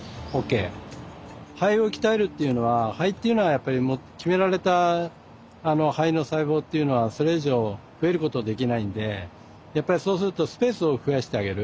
肺を鍛えるっていうのは肺っていうのは決められた肺の細胞っていうのはそれ以上増えることできないんでそうするとスペースを増やしてあげる。